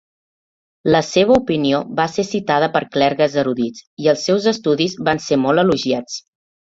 La seva opinió va ser citada per clergues erudits i els seus estudis van ser molt elogiats.